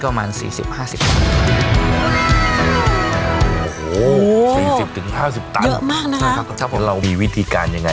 โปรดติดตามต่อไป